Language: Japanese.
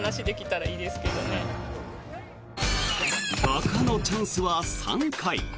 爆破のチャンスは３回。